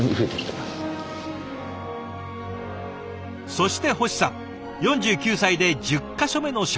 そして星さん４９歳で１０か所目の社食へ。